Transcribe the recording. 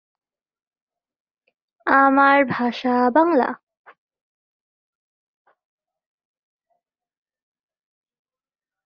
সাত বোন ও দুই ভাইয়ের মধ্যে তিনি ছিলেন পঞ্চম।